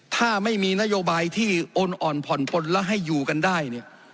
ถ้าไม่มีนโยบายที่โอนอ่อนผ่อนปนและให้อยู่กันได้เนี่ย